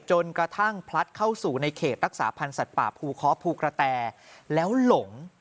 จนกระทั่งพลัดเข้าสู่ในเขตรักษาพันธ์สัตว์ป่าภูเคาะภูกระแตแล้วหลง